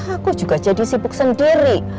aku juga jadi sibuk sendiri